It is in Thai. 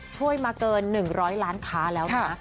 ช่วยมาเกิน๑๐๐ล้านค้าแล้วนะ